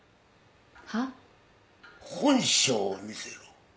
本性を見せろ